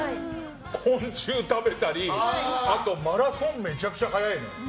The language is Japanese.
昆虫食べたりあとマラソンめちゃくちゃ速いのよ。